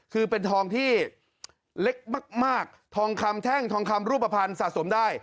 คือเป็นทองที่เล็กมากทองคำแท่งทองคำรูปภัณฑ์สะสมได้